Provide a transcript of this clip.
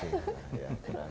ya kurang ya